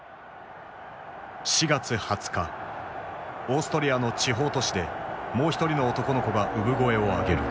オーストリアの地方都市でもう一人の男の子が産声を上げる。